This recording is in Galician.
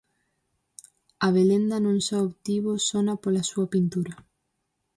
Abelenda non só obtivo sona pola súa pintura.